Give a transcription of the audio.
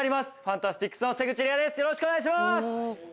よろしくお願いします！